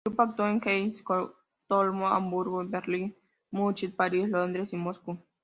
El grupo actuó en Helsinki, Estocolmo, Hamburgo, Berlín, Múnich, París, Londres y Moscú.